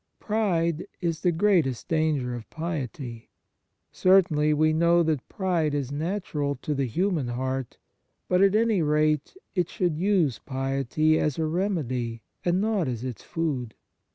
Pride is the greatest danger of piety. Certainly we know that pride is natural to the human heart ; but, at any rate, it should use piety as a remedy, and not as its food.